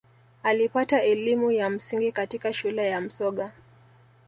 alipata elimu ya msingi katika shule ya msoga